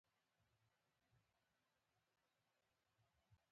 نوې خوشبويي زړونه خوشحالوي